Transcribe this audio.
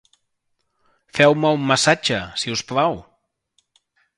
Feu-me un massatge, si us plau.